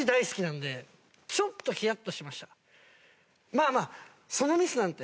まあまあ。